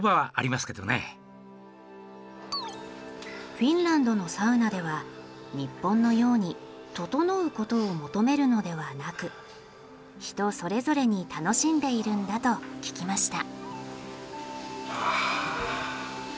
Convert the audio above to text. フィンランドのサウナでは日本のようにととのうことを求めるのではなく人それぞれに楽しんでいるんだと聞きました。